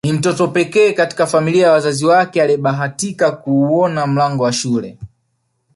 Ni mtoto pekee katika familia ya wazazi wake aliyebahatika kuuona mlango wa shule